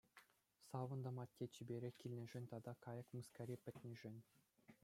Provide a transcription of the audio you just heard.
Савӑнтӑм атте чиперех килнишӗн тата кайӑк мыскари пӗтнишӗн.